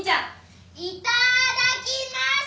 いただきます！